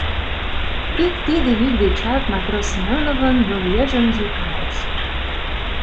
Ик тиде йӱк дечак матрос Семеновын йолйыжыҥже кайыш.